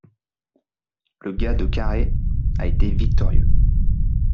Le gars de Carhaix a été victorieux.